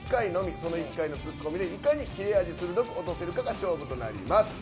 その１回のツッコミでいかに切れ味鋭く落とせるかが勝負となります。